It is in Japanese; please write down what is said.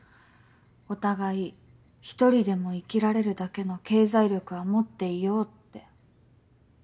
お互い一人でも生きられるだけの経済力は持っていようって。